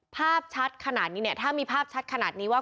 ภาพชัดขนาดนี้เนี่ยถ้ามีภาพชัดขนาดนี้ว่า